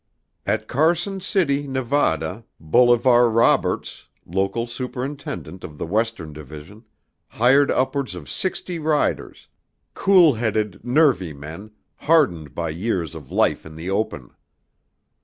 At Carson City, Nevada, Bolivar Roberts, local superintendent of the Western Division, hired upwards of sixty riders, cool headed nervy men, hardened by years of life in the open.